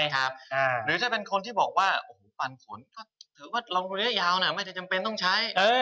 หรือถ้าเป็นคนที่บอกว่าโอ้โหปันฝนก็ถือว่าระยะยาวไม่ได้จำเป็นต้องใช้